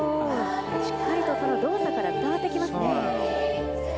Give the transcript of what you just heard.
しっかりと動作から伝わってきますね。